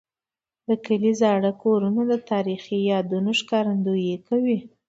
د کلي زاړه کورونه د تاریخي یادونو ښکارندوي کوي.